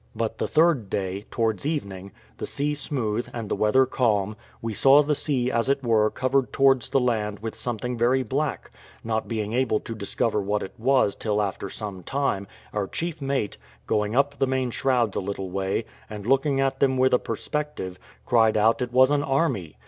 But the third day, towards evening, the sea smooth, and the weather calm, we saw the sea as it were covered towards the land with something very black; not being able to discover what it was till after some time, our chief mate, going up the main shrouds a little way, and looking at them with a perspective, cried out it was an army.